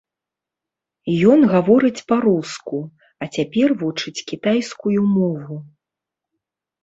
Ён гаворыць па-руску, а цяпер вучыць кітайскую мову.